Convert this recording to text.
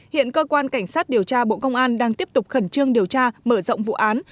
hiện cơ quan cảnh sát điều tra bộ công an đang tiếp tục khẩn trương điều tra mở rộng vụ án